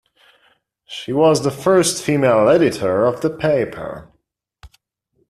She was the first female editor of the paper.